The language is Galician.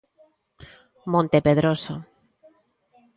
Monte Pedroso.